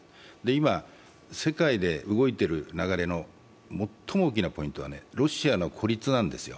今、世界で動いてる流れの最も大きなポイントは、ロシアの孤立なんですよ。